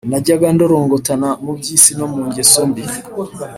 Najyaga ndorongotana mu by’isi no mu ngeso mbi